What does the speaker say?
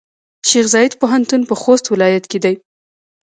شیخزاید پوهنتون پۀ خوست ولایت کې دی.